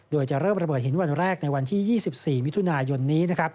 โดยจะเริ่มระเบิดหินวันแรกในวันที่๒๔มิถุนายนนี้